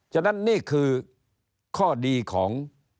ฉะนั้นนี่คือข้อดีของ